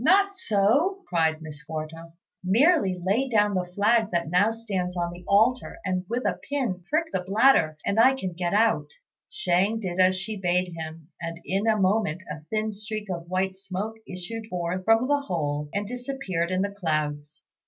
"Not so," cried Miss Quarta; "merely lay down the flag that now stands on the altar, and with a pin prick the bladder, and I can get out." Shang did as she bade him, and in a moment a thin streak of white smoke issued forth from the hole and disappeared in the clouds.